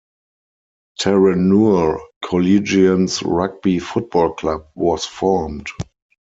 Terenure Collegians Rugby Football Club was formed.